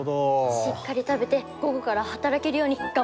しっかり食べて午後から働けるように頑張ります！